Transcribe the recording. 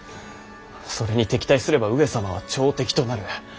それに敵対すれば上様は朝敵となる。